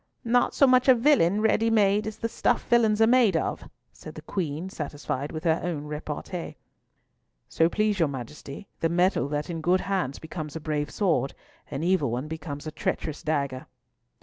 "Not so much a villain ready made as the stuff villains are made of," said the Queen, satisfied with her own repartee. "So please your Majesty, the metal that in good hands becomes a brave sword, in evil ones becomes a treacherous dagger."